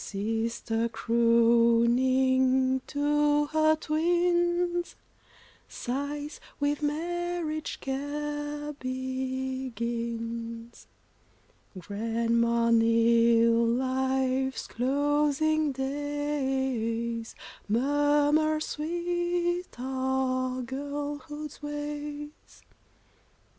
Sister crooning to her twins, Sighs, "With marriage care begins." Grandma, near life's closing days, Murmurs, "Sweet are girlhood's ways."